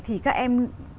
thì các em